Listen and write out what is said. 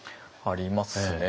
ありますね。